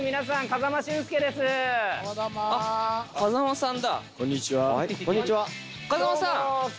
風間さん